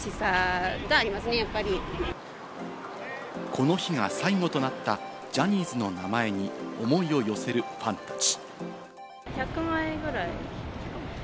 この日が最後となったジャニーズの名前に思いを寄せるファンたち。